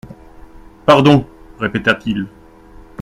«Pardon,» répéta-t-il.